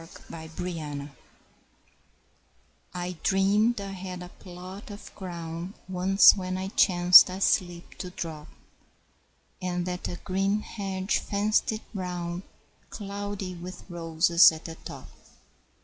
Y Z A Dream I DREAMED I had a plot of ground, Once when I chanced asleep to drop, And that a green hedge fenced it round, Cloudy with roses at the top.